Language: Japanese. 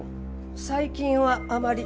最近はあまり。